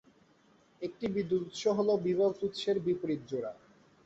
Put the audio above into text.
একটি বিদ্যুৎ উৎস হলো বিভব উৎসের বিপরীত জোড়া।